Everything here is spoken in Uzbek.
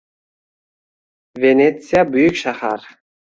Venetsiya - buyuk shahar